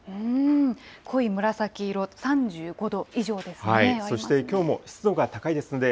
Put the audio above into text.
濃い紫色、３５度以上ですね。